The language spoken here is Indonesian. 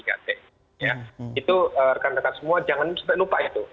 ya itu rekan rekan semua jangan lupa itu